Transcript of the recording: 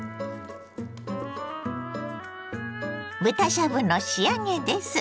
豚しゃぶの仕上げです。